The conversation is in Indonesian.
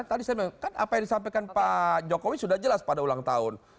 tadi saya bilang kan apa yang disampaikan pak jokowi sudah jelas pada ulang tahun